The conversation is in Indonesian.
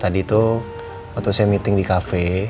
tadi tuh waktu saya meeting di cafe